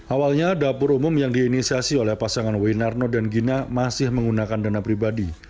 awalnya dapur umum yang diinisiasi oleh pasangan winarno dan gina masih menggunakan dana pribadi